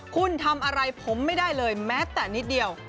คุณทำอะไรผมไม่ได้เลยแม้แต่นิดเดียว